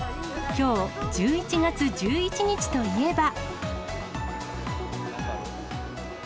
きょう１１月１１日といえば。